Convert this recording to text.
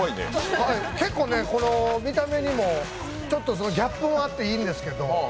結構、見た目にもちょっとギャップがあっていいんですけど。